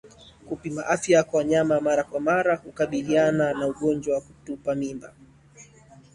Kupima afya za wanyama mara kwa mara hukabiliana na ugonjwa wa kutupa mimba